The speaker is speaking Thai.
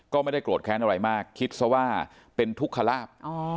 ก็ไม่ได้โกรธแค้นอะไรมากคิดซะว่าเป็นทุกขลาบ